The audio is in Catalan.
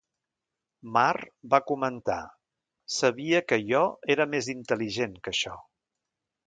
Marr va comentar, sabia que jo era més intel·ligent que això.